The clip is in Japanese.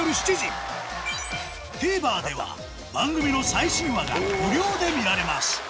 ＴＶｅｒでは番組の最新話が無料で見られます